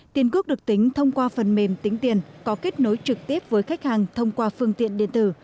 tiền cước được tính thông qua phần mềm tính tiền có kết nối trực tiếp với khách hàng thông qua phương tiện điện tử